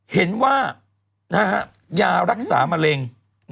เห็นว่ายารักษามะเร็ง